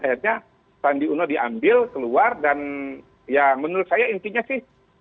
akhirnya sandi uno diambil keluar dan ya menurut saya intinya sih